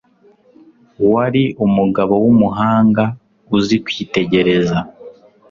wari umugabo w'umuhanga, uzi kwitegereza